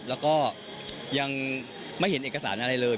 แล้วก็ยังไม่เห็นเอกสารอะไรเลย